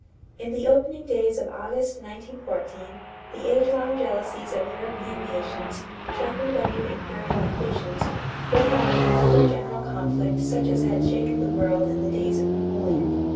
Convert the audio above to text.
= In the opening days of August, 1914, the age long jealousies of European nations, sharpened by new imperial ambitions, broke out in another general conflict such as had shaken the world in the days of Napoleon.